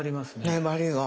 粘りが。